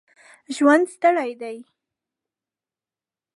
ژوند ستړی دی.